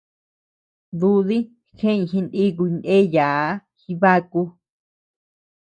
Dúdi jeʼeñ jinikuy ndeayaa Jibaku.